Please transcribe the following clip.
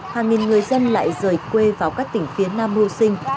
hàng nghìn người dân lại rời quê vào các tỉnh phía nam mưu sinh